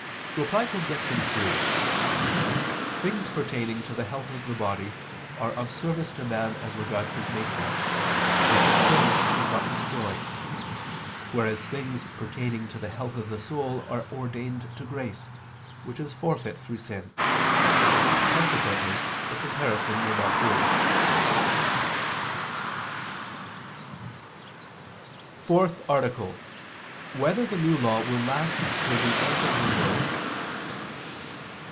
Reply Obj. 3: Things pertaining to the health of the body are of service to man as regards his nature, which sin does not destroy: whereas things pertaining to the health of the soul are ordained to grace, which is forfeit through sin. Consequently the comparison will not hold. ________________________ FOURTH ARTICLE [I II, Q. 106, Art. 4] Whether the New Law Will Last Till the End of the World?